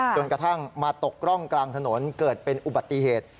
จนกระทั่งมาตกร่องกลางถนนเกิดเป็นอุบัติเหตุ